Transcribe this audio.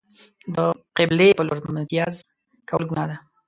د قبلې په لور میتیاز کول گناه ده.